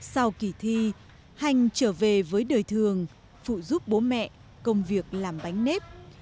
sau kỳ thi hanh trở về với đời thường phụ giúp bố mẹ công việc làm bánh nếp